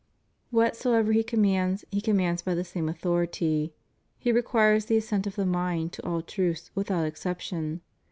Whatsoever He commands. He commands by the same authority. He requires the assent of the mind to all truths without exception.